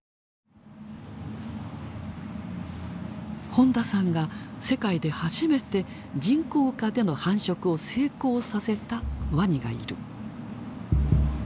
本田さんが世界で初めて人工下での繁殖を成功させたワニがいる。